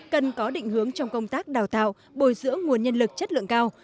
cần có định hướng trong công tác đào tạo bồi dưỡng nguồn nhân lực chất lượng cao